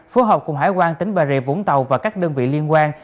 phối hợp cùng hải quan tỉnh bà rịa vũng tàu và các đơn vị liên quan